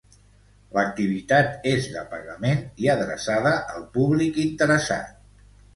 L'activitat és de pagament i adreçada al públic interessat.